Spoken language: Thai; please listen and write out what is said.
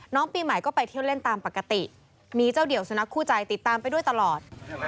น้องปีใหม่ก็ไปเที่ยวเล่นตามปกติมีเจ้าเดี่ยวสุนัขคู่ใจติดตามไปด้วยตลอด